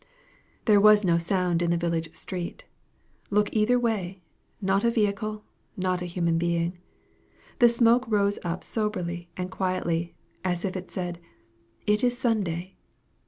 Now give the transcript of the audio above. There was no sound in the village street. Look either way not a vehicle, not a human being. The smoke rose up soberly and quietly, as if it said It is Sunday!